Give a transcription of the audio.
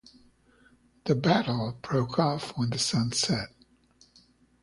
The battle broke off when the sun set.